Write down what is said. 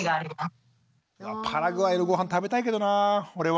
パラグアイのごはん食べたいけどなぁ俺は。